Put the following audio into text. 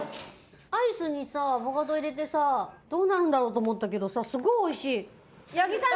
アイスにさアボカド入れてさどうなるんだろうと思ったけどさすごいおいしい八木さん